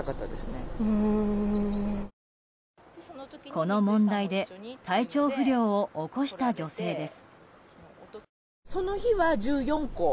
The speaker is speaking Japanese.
この問題で体調不良を起こした女性です。